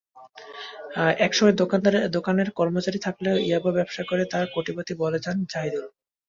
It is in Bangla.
একসময় দোকানের কর্মচারী থাকলেও ইয়াবা ব্যবসা করে পরে কোটিপতি বনে যান জাহিদুল।